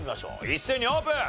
一斉にオープン！